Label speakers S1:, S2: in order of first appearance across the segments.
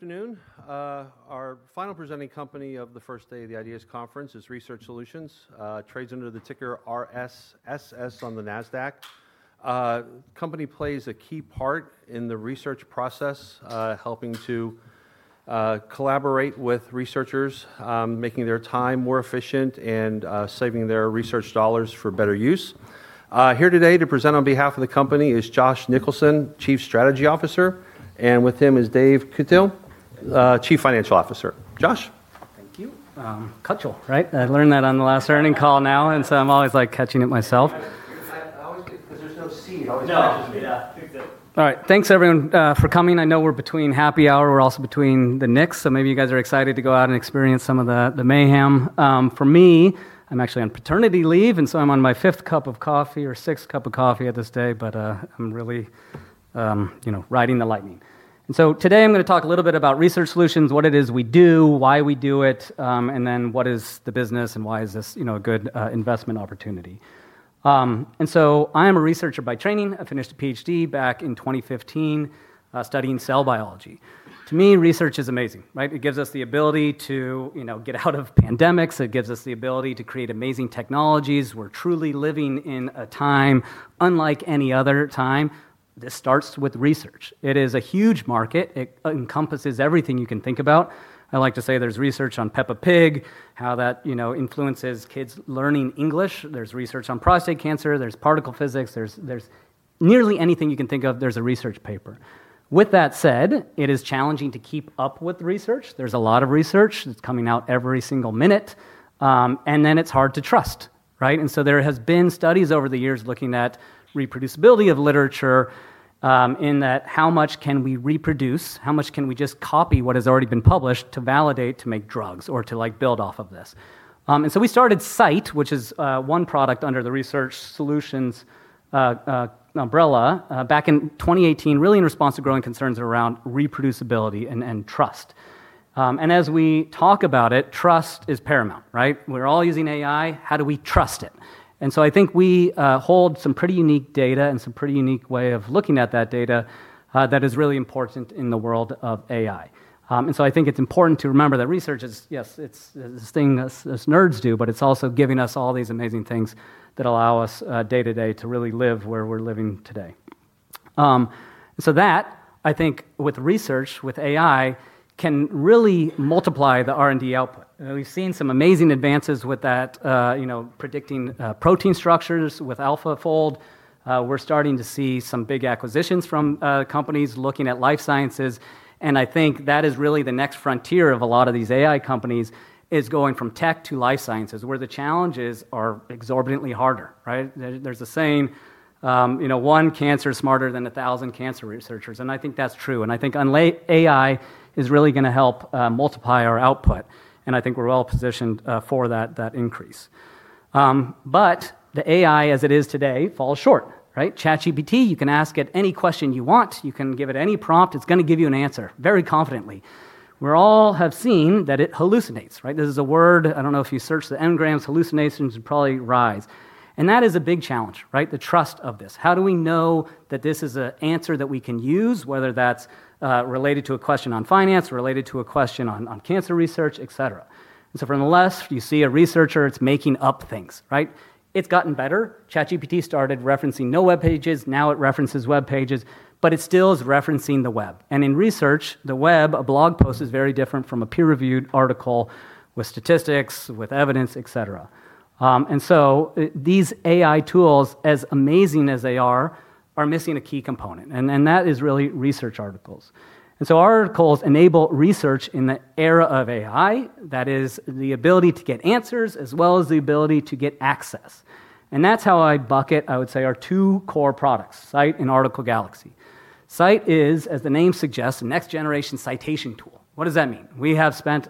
S1: Good afternoon. Our final presenting company of the first day of the IDEAS Conference is Research Solutions. Trades under the ticker RSSS on the Nasdaq. Company plays a key part in the research process, helping to collaborate with researchers, making their time more efficient, and saving their research dollars for better use. Here today to present on behalf of the company is Josh Nicholson, Chief Strategy Officer, and with him is Dave Kutil, Chief Financial Officer. Josh?
S2: Thank you. Kutil, right? I learned that on the last earning call now, I'm always like catching it myself.
S3: I always get Because there's no CCC.
S2: No. Yeah.
S3: Kutil.
S2: All right. Thanks, everyone, for coming. I know we're between happy hour. Maybe you guys are excited to go out and experience some of the mayhem. For me, I'm actually on paternity leave, I'm on my fifth cup of coffee or sixth cup of coffee of this day, but I'm really riding the lightning. Today, I'm going to talk a little bit about Research Solutions, what it is we do, why we do it, what is the business and why is this a good investment opportunity. I am a researcher by training. I finished a PhD back in 2015, studying cell biology. To me, research is amazing, right? It gives us the ability to get out of pandemics. It gives us the ability to create amazing technologies. We're truly living in a time unlike any other time. This starts with research. It is a huge market. It encompasses everything you can think about. I like to say there's research on Peppa Pig, how that influences kids learning English. There's research on prostate cancer. There's particle physics. Nearly anything you can think of, there's a research paper. With that said, it is challenging to keep up with research. There's a lot of research that's coming out every single minute, it's hard to trust, right? There has been studies over the years looking at reproducibility of literature, in that how much can we reproduce, how much can we just copy what has already been published to validate to make drugs or to build off of this. We started Scite, which is one product under the Research Solutions umbrella, back in 2018, really in response to growing concerns around reproducibility and trust. As we talk about it, trust is paramount, right? We're all using AI. How do we trust it? I think we hold some pretty unique data and some pretty unique way of looking at that data that is really important in the world of AI. I think it's important to remember that research is, yes, it's this thing us nerds do, but it's also giving us all these amazing things that allow us day to day to really live where we're living today. That, I think, with research, with AI, can really multiply the R&D output. We've seen some amazing advances with that, predicting protein structures with AlphaFold. We're starting to see some big acquisitions from companies looking at life sciences, I think that is really the next frontier of a lot of these AI companies is going from tech to life sciences, where the challenges are exorbitantly harder, right? There's a saying, one cancer smarter than a thousand cancer researchers, I think that's true. I think AI is really going to help multiply our output, I think we're well positioned for that increase. The AI as it is today falls short, right? ChatGPT, you can ask it any question you want. You can give it any prompt. It's going to give you an answer very confidently. We all have seen that it hallucinates, right? This is a word, I don't know if you search the Ngrams, hallucinations would probably rise. That is a big challenge, right? The trust of this. How do we know that this is an answer that we can use, whether that's related to a question on finance, related to a question on cancer research, et cetera. From the left, you see a researcher. It's making up things, right? It's gotten better. ChatGPT started referencing no webpages. Now it references webpages, but it still is referencing the web. In research, the web, a blog post is very different from a peer-reviewed article with statistics, with evidence, et cetera. These AI tools, as amazing as they are missing a key component, and that is really research articles. Our articles enable research in the era of AI. That is the ability to get answers as well as the ability to get access. That's how I bucket, I would say, our two core products, Scite and Article Galaxy. Scite is, as the name suggests, a next-generation citation tool. What does that mean? We have spent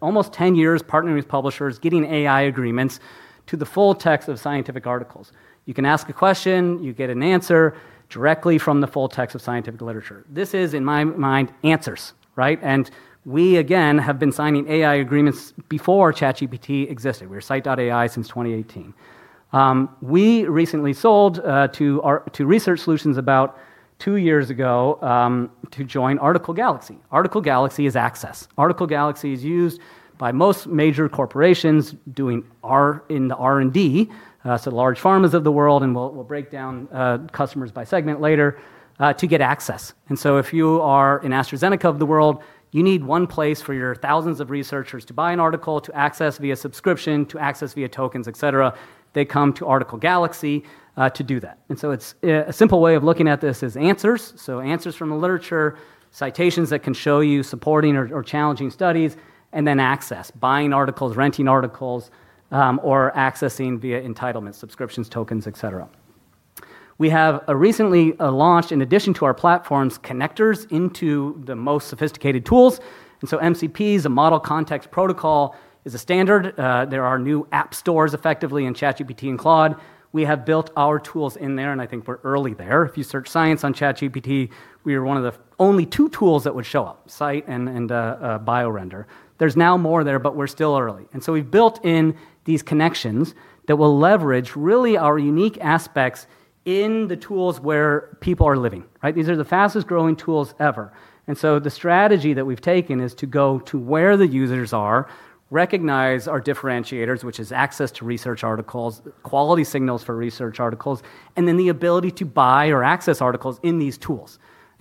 S2: almost 10 years partnering with publishers, getting AI agreements to the full text of scientific articles. You can ask a question. You get an answer directly from the full text of scientific literature. This is, in my mind, answers, right? We, again, have been signing AI agreements before ChatGPT existed. We were Scite.ai since 2018. We recently sold to Research Solutions about two years ago to join Article Galaxy. Article Galaxy is access. Article Galaxy is used by most major corporations in the R&D, so large pharmas of the world, and we'll break down customers by segment later, to get access. If you are an AstraZeneca of the world, you need one place for your thousands of researchers to buy an article, to access via subscription, to access via tokens, et cetera. They come to Article Galaxy to do that. A simple way of looking at this is answers. So answers from the literature, citations that can show you supporting or challenging studies, and then access, buying articles, renting articles, or accessing via entitlement, subscriptions, tokens, et cetera. We have recently launched, in addition to our platforms, connectors into the most sophisticated tools. MCP, the Model Context Protocol, is a standard. There are new app stores effectively in ChatGPT and Claude. We have built our tools in there, and I think we're early there. If you search science on ChatGPT, we are one of the only two tools that would show up, Scite and BioRender. There's now more there, but we're still early. We've built in these connections that will leverage really our unique aspects in the tools where people are living. These are the fastest-growing tools ever. The strategy that we've taken is to go to where the users are, recognize our differentiators, which is access to research articles, quality signals for research articles, and then the ability to buy or access articles in these tools.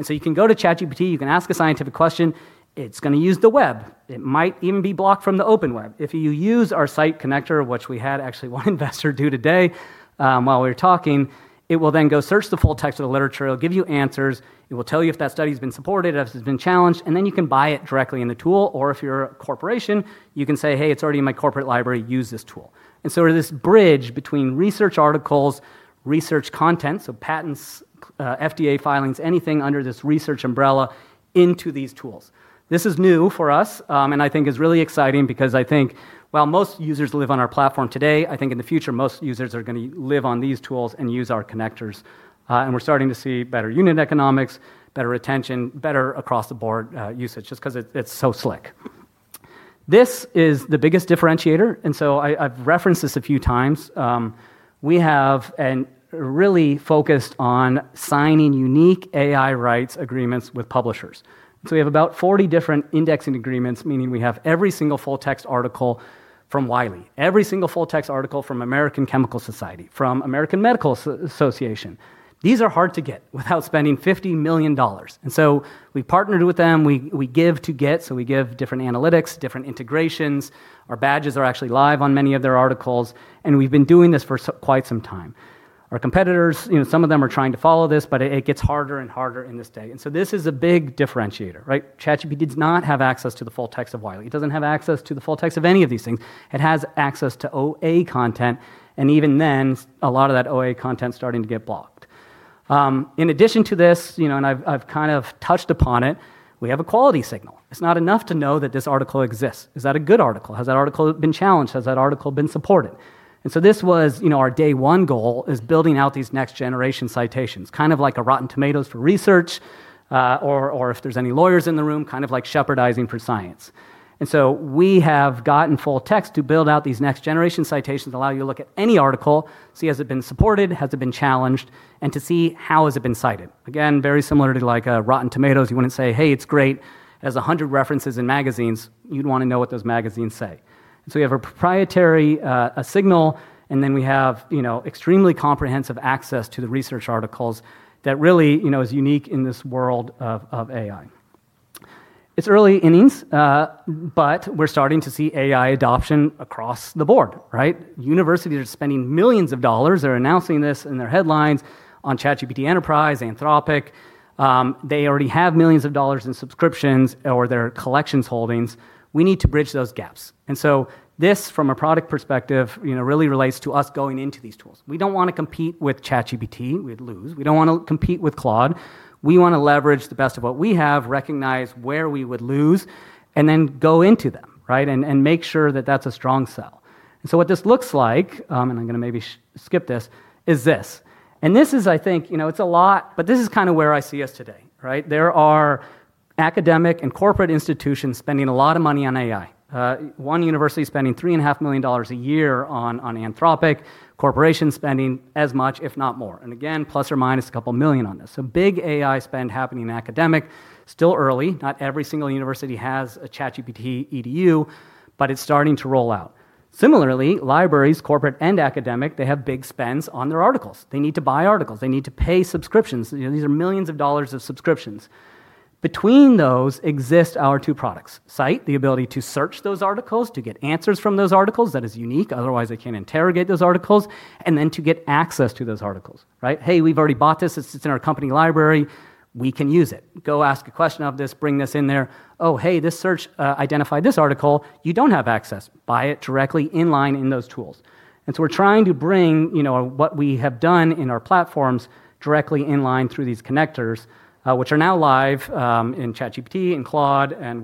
S2: You can go to ChatGPT, you can ask a scientific question. It's going to use the web. It might even be blocked from the open web. If you use our Scite connector, which we had actually one investor do today while we were talking. It will then go search the full text of the literature. It'll give you answers. It will tell you if that study's been supported, if it's been challenged. Then you can buy it directly in the tool. If you're a corporation, you can say, "Hey, it's already in my corporate library. Use this tool." So this bridge between research articles, research content, so patents, FDA filings, anything under this research umbrella, into these tools. This is new for us, and I think is really exciting because I think while most users live on our platform today, I think in the future, most users are going to live on these tools and use our connectors. We're starting to see better unit economics, better retention, better across-the-board usage, just because it's so slick. This is the biggest differentiator. So I've referenced this a few times. We have really focused on signing unique AI rights agreements with publishers. We have about 40 different indexing agreements, meaning we have every single full text article from Wiley, every single full text article from American Chemical Society, from American Medical Association. These are hard to get without spending $50 million. So we partnered with them. We give to get, so we give different analytics, different integrations. Our badges are actually live on many of their articles, and we've been doing this for quite some time. Our competitors, some of them are trying to follow this, but it gets harder and harder in this day. So this is a big differentiator. ChatGPT does not have access to the full text of Wiley. It doesn't have access to the full text of any of these things. It has access to OA content, and even then, a lot of that OA content's starting to get blocked. In addition to this, and I've kind of touched upon it, we have a quality signal. It's not enough to know that this article exists. Is that a good article? Has that article been challenged? Has that article been supported? So this was our day one goal, is building out these next-generation citations, kind of like a Rotten Tomatoes for research, or if there's any lawyers in the room, kind of like Shepardizing for science. So we have gotten full text to build out these next-generation citations, allow you to look at any article, see has it been supported, has it been challenged, and to see how has it been cited. Again, very similar to Rotten Tomatoes. You wouldn't say, "Hey, it's great. It has 100 references in magazines." You'd want to know what those magazines say. So we have a proprietary signal, and then we have extremely comprehensive access to the research articles that really is unique in this world of AI. It's early innings, but we're starting to see AI adoption across the board. Universities are spending millions of dollars. They're announcing this in their headlines on ChatGPT Enterprise, Anthropic. They already have millions of dollars in subscriptions or their collections holdings. We need to bridge those gaps. So this, from a product perspective, really relates to us going into these tools. We don't want to compete with ChatGPT. We'd lose. We don't want to compete with Claude. We want to leverage the best of what we have, recognize where we would lose, and then go into them. Make sure that that's a strong sell. So what this looks like, and I'm going to maybe skip this, is this. This is, I think, it's a lot, but this is where I see us today. There are academic and corporate institutions spending a lot of money on AI. One university is spending $3.5 million a year on Anthropic. Corporations spending as much, if not more. Again, plus or minus a couple million on this. Big AI spend happening in academic. Still early. Not every single university has a ChatGPT Edu, but it's starting to roll out. Similarly, libraries, corporate and academic, they have big spends on their articles. They need to buy articles. They need to pay subscriptions. These are millions of dollars of subscriptions. Between those exist our two products. Scite, the ability to search those articles, to get answers from those articles. That is unique. Otherwise, they can't interrogate those articles. Then to get access to those articles. "Hey, we've already bought this. It's in our company library. We can use it." Go ask a question of this, bring this in there. "Oh, hey, this search identified this article." You don't have access. Buy it directly in line in those tools. We're trying to bring what we have done in our platforms directly in line through these connectors, which are now live in ChatGPT and Claude and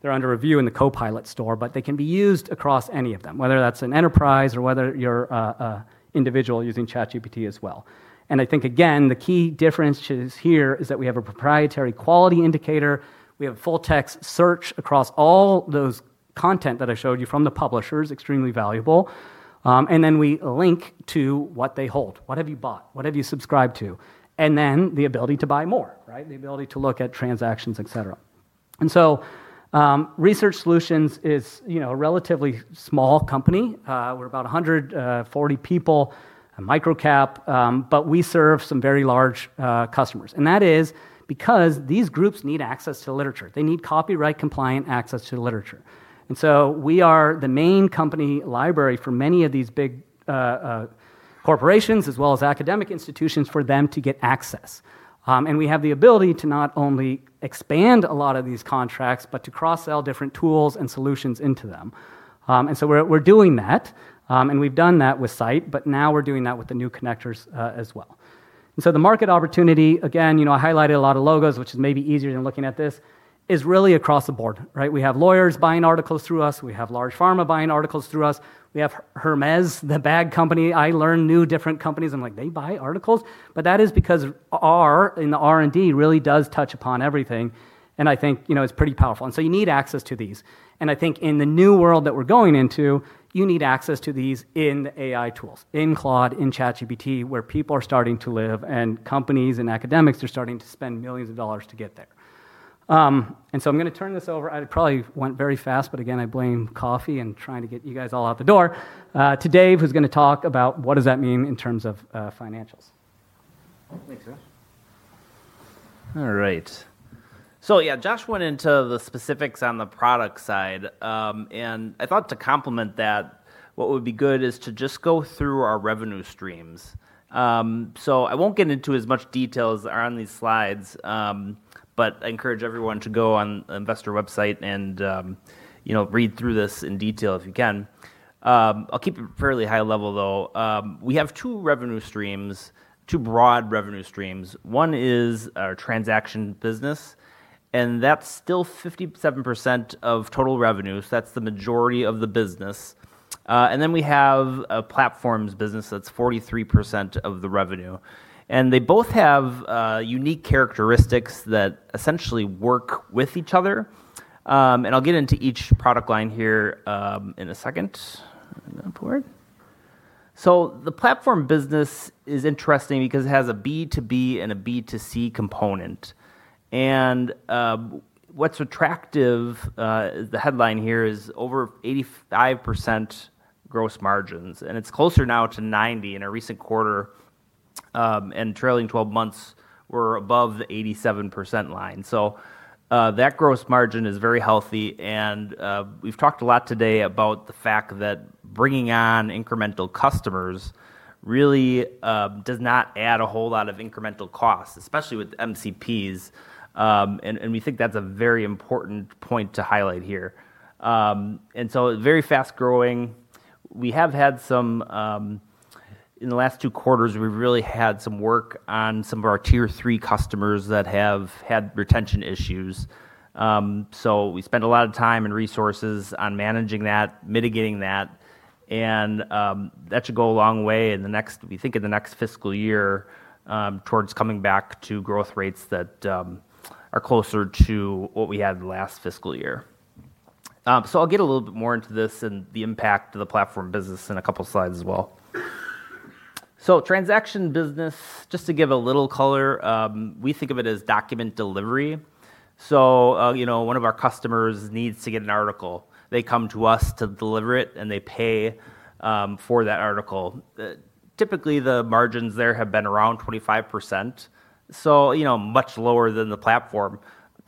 S2: they're under review in the Copilot store, but they can be used across any of them, Whether that's an enterprise or whether you're a individual using ChatGPT as well. I think, again, the key difference here is that we have a proprietary quality indicator. We have full text search across all those content that I showed you from the publishers, extremely valuable. Then we link to what they hold. What have you bought? What have you subscribed to? Then the ability to buy more. The ability to look at transactions, et cetera. Research Solutions is a relatively small company. We're about 140 people, a micro cap, but we serve some very large customers. That is because these groups need access to literature. They need copyright compliant access to the literature. We are the main company library for many of these big corporations as well as academic institutions for them to get access. We have the ability to not only expand a lot of these contracts, but to cross-sell different tools and solutions into them. We're doing that. We've done that with Scite, but now we're doing that with the new connectors as well. The market opportunity, again, I highlighted a lot of logos, which is maybe easier than looking at this, is really across the board. We have lawyers buying articles through us. We have large pharma buying articles through us. We have Hermès, the bag company. I learn new different companies. I'm like, "They buy articles?" That is because R in the R&D really does touch upon everything, and I think it's pretty powerful. You need access to these. I think in the new world that we're going into, you need access to these in the AI tools, in Claude, in ChatGPT, where people are starting to live, and companies and academics are starting to spend millions of dollars to get there. I'm going to turn this over. I probably went very fast, but again, I blame coffee and trying to get you guys all out the door, to Dave, who's going to talk about what does that mean in terms of financials.
S3: Thanks, Josh. All right. Yeah, Josh went into the specifics on the product side. I thought to complement that, what would be good is to just go through our revenue streams. I won't get into as much details that are on these slides. I encourage everyone to go on the investor website and read through this in detail if you can. I'll keep it fairly high level, though. We have two revenue streams, two broad revenue streams. One is our transaction business, and that's still 57% of total revenue, so that's the majority of the business. Then we have a platforms business that's 43% of the revenue. They both have unique characteristics that essentially work with each other. I'll get into each product line here in a second. The platform business is interesting because it has a B2B and a B2C component. What's attractive, the headline here, is over 85% gross margins, and it's closer now to 90% in a recent quarter, and trailing 12 months were above the 87% line. That gross margin is very healthy, and we've talked a lot today about the fact that bringing on incremental customers really does not add a whole lot of incremental costs, especially with MCPs. We think that's a very important point to highlight here. Very fast-growing. In the last two quarters, we've really had some work on some of our Tier 3 customers that have had retention issues. We spent a lot of time and resources on managing that, mitigating that, and that should go a long way in the next, we think in the next fiscal year, towards coming back to growth rates that are closer to what we had last fiscal year. I'll get a little bit more into this and the impact of the platform business in a couple slides as well. Transaction business, just to give a little color, we think of it as document delivery. One of our customers needs to get an article. They come to us to deliver it, and they pay for that article. Typically, the margins there have been around 25%, so much lower than the platform. You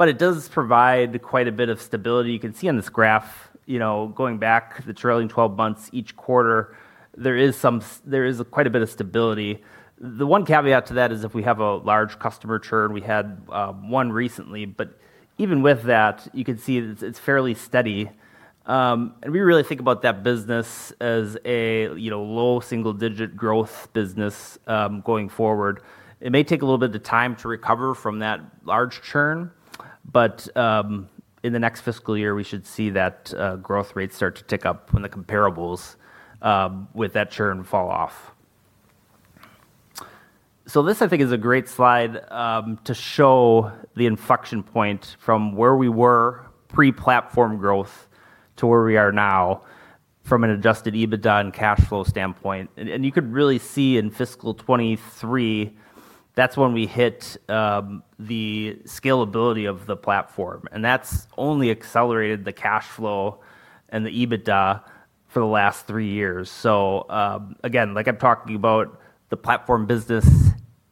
S3: can see on this graph, going back the trailing 12 months, each quarter, there is quite a bit of stability. The one caveat to that is if we have a large customer churn, we had one recently, but even with that, you can see that it's fairly steady. We really think about that business as a low single-digit growth business going forward. It may take a little bit of time to recover from that large churn, but in the next fiscal year, we should see that growth rate start to tick up when the comparables with that churn fall off. This, I think, is a great slide to show the inflection point from where we were pre-platform growth to where we are now from an adjusted EBITDA and cash flow standpoint. And you could really see in fiscal 2023, that's when we hit the scalability of the platform. Again, like I'm talking about the platform business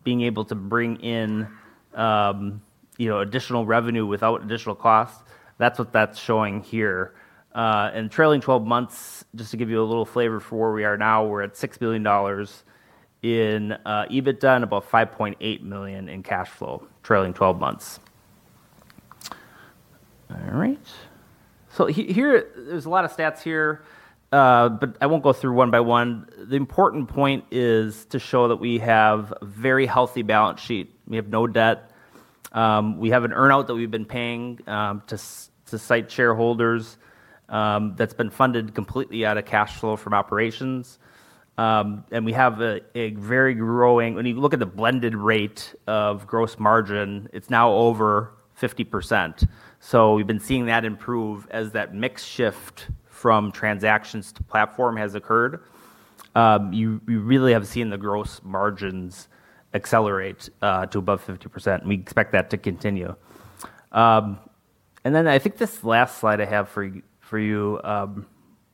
S3: being able to bring in additional revenue without additional cost, that's what that's showing here. Trailing 12 months, just to give you a little flavor for where we are now, we're at $6 million in EBITDA and about $5.8 million in cash flow trailing 12 months. Here, there's a lot of stats here, but I won't go through one by one. The important point is to show that we have a very healthy balance sheet. We have no debt. We have an earn-out that we've been paying to Scite shareholders that's been funded completely out of cash flow from operations. And we have a very growing. When you look at the blended rate of gross margin, it's now over 50%. So we've been seeing that improve as that mix shift from transactions to platform has occurred. You really have seen the gross margins accelerate to above 50%, and we expect that to continue. Then I think this last slide I have for you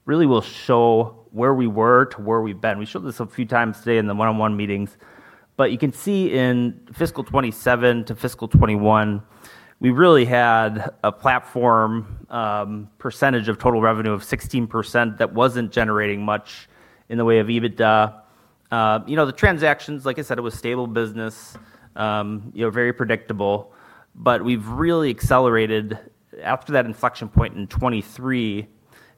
S3: really will show where we were to where we've been. We showed this a few times today in the one-on-one meetings. But you can see in fiscal 2027 to fiscal 2021, we really had a platform percentage of total revenue of 16% that wasn't generating much in the way of EBITDA. The transactions, like I said, it was stable business, very predictable. But we've really accelerated after that inflection point in 2023,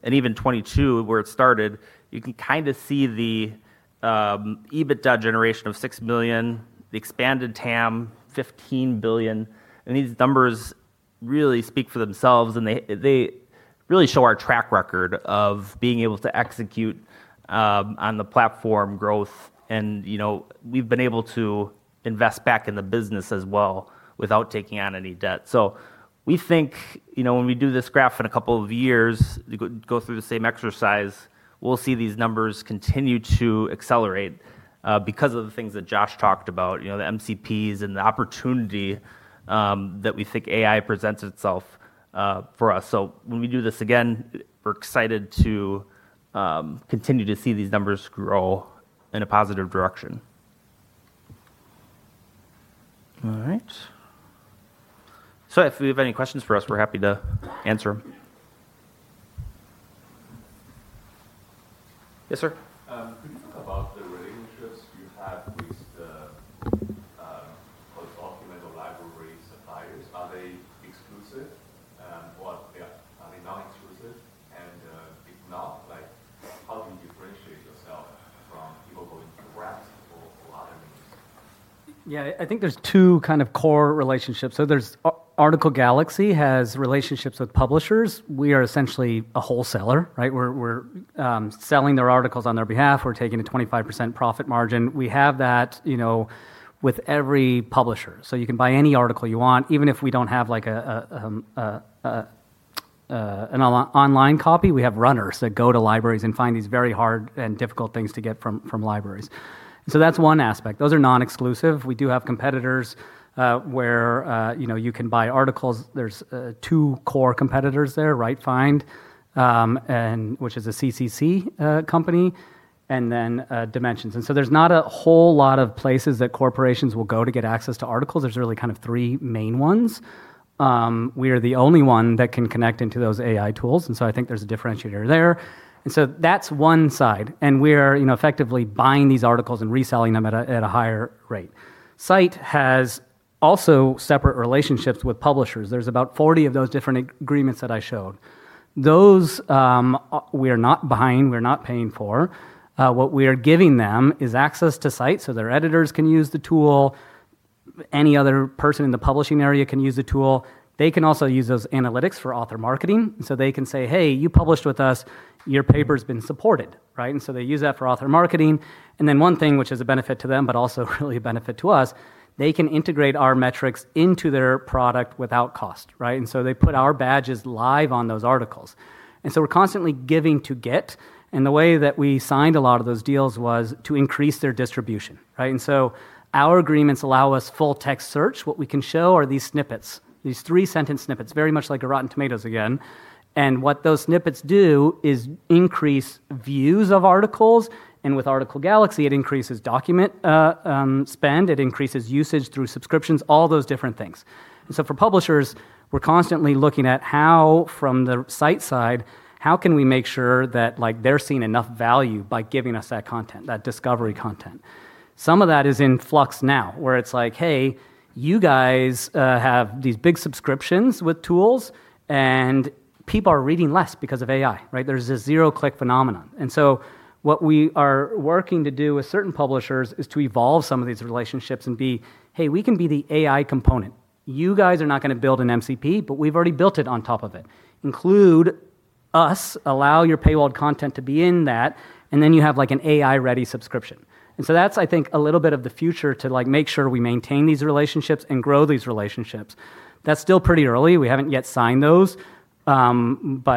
S3: and even 2022 where it started. You can kind of see the EBITDA generation of $6 million, the expanded TAM $15 billion, and these numbers really speak for themselves, and they really show our track record of being able to execute on the platform growth. And we've been able to invest back in the business as well without taking on any debt. We think, when we do this graph in a couple of years, go through the same exercise, we'll see these numbers continue to accelerate because of the things that Josh talked about, the MCPs and the opportunity that we think AI presents itself for us. When we do this again, we're excited to continue to see these numbers grow in a positive direction. If you have any questions for us, we're happy to answer them. Yes, sir.
S4: Could you talk about the relationships you have with the post-document or library suppliers? Are they exclusive? Or are they non-exclusive? And if not, how do you differentiate yourself from people going to graphs or other means?
S2: I think there's two core relationships. Article Galaxy has relationships with publishers. We are essentially a wholesaler, right? We're selling their articles on their behalf. We're taking a 25% profit margin. We have that with every publisher. You can buy any article you want, even if we don't have an online copy. We have runners that go to libraries and find these very hard and difficult things to get from libraries. That's one aspect. Those are non-exclusive. We do have competitors where you can buy articles. There's two core competitors there, RightFind, which is a CCC company, and then Dimensions. There's not a whole lot of places that corporations will go to get access to articles. There's really three main ones. We are the only one that can connect into those AI tools. I think there's a differentiator there. That's one side, and we're effectively buying these articles and reselling them at a higher rate. Scite has also separate relationships with publishers. There's about 40 of those different agreements that I showed. Those we are not buying, we're not paying for. What we are giving them is access to Scite, so their editors can use the tool. Any other person in the publishing area can use the tool. They can also use those analytics for author marketing, so they can say, "Hey, you published with us. Your paper's been supported." They use that for author marketing. Then one thing which is a benefit to them, but also really a benefit to us, they can integrate our metrics into their product without cost. They put our badges live on those articles. We're constantly giving to get, and the way that we signed a lot of those deals was to increase their distribution. Our agreements allow us full-text search. What we can show are these snippets, these three-sentence snippets, very much like a Rotten Tomatoes again. What those snippets do is increase views of articles, and with Article Galaxy, it increases document spend. It increases usage through subscriptions, all those different things. For publishers, we're constantly looking at how, from the Scite side, how can we make sure that they're seeing enough value by giving us that content, that discovery content? Some of that is in flux now, where it's like, "Hey, you guys have these big subscriptions with tools," and people are reading less because of AI. There's this zero-click phenomenon. What we are working to do with certain publishers is to evolve some of these relationships and be, "Hey, we can be the AI component." You guys are not going to build an MCP, but we've already built it on top of it. Include us. Allow your paywall content to be in that. You have an AI-ready subscription. That's, I think, a little bit of the future to make sure we maintain these relationships and grow these relationships. That's still pretty early. We haven't yet signed those.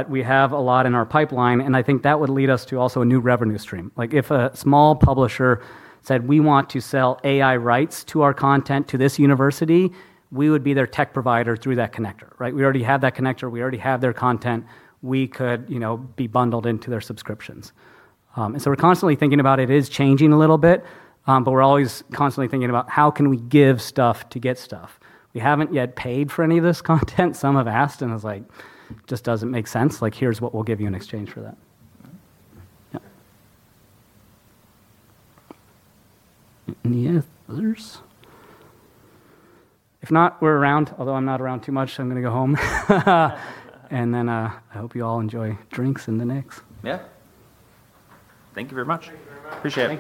S2: We have a lot in our pipeline, and I think that would lead us to also a new revenue stream. If a small publisher said, "We want to sell AI rights to our content to this university," we would be their tech provider through that connector. We already have that connector. We already have their content. We could be bundled into their subscriptions. We're constantly thinking about it is changing a little bit, but we're always constantly thinking about how can we give stuff to get stuff. We haven't yet paid for any of this content. Some have asked, and it's like, just doesn't make sense. Here's what we'll give you in exchange for that. Yeah. Any others? If not, we're around, although I'm not around too much, so I'm going to go home. I hope you all enjoy drinks in the mix. Yeah.
S1: Thank you very much.
S2: Appreciate it.